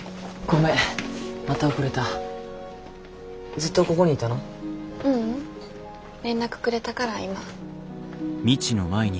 ううん連絡くれたから今。